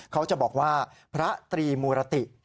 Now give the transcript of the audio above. เขาจะบอกว่าพระตรีมูรติ